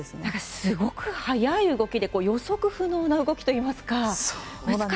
すごく速い動きで予測不能な動きといいますか。